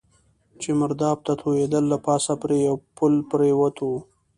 چې مرداب ته توېېدل، له پاسه پرې یو پل پروت و.